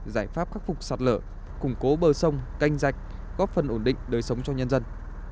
giải pháp khắc phục sạt lở củng cố bờ sông canh rạch góp phần ổn định đời sống cho nhân dân